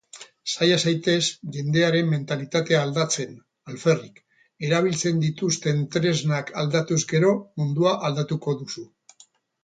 Saia zaitez jendearen mentalitatea aldatzen; alferrik. Erabiltzen dituzten tresnak aldatuz gero, mundua aldatuko duzu.